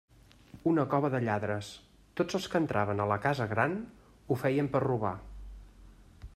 Una cova de lladres; tots els que entraven a la «casa gran» ho feien per a robar.